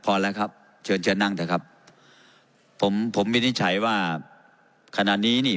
พอแล้วครับเชิญเชิญนั่งเถอะครับผมผมวินิจฉัยว่าขณะนี้นี่